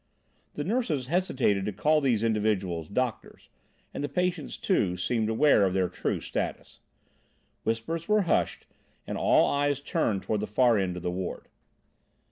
The nurses hesitated to call these individuals doctors, and the patients, too, seemed aware of their true status. Whispers were hushed, and all eyes turned toward the far end of the ward.